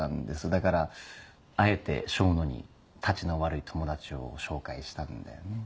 だからあえて笙野にたちの悪い友達を紹介したんだよね？